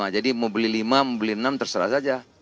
jadi mau beli lima mau beli enam terserah saja